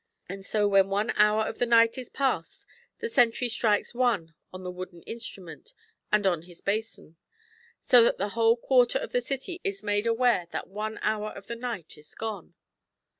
And so when one hour of the night is past the sentry strikes one on the wooden instrument and on the basin, so that the whole quarter of the city is made aware that one hour of the night is gone.